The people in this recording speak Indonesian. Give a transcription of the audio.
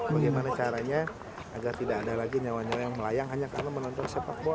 bagaimana caranya agar tidak ada lagi nyawa nyawa yang melayang hanya karena menonton sepak bola